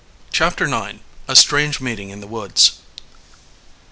CHAPTER IX A STRANGE MEETING IN THE WOODS.